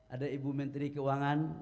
ada ibu menteri keuangan